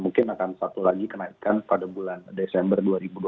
mungkin akan satu lagi kenaikan pada bulan desember dua ribu dua puluh